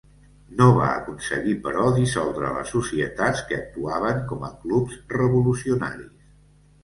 No va aconseguir però dissoldre les societats que actuaven com a clubs revolucionaris.